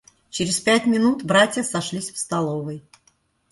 Через пять минут братья сошлись в столовой.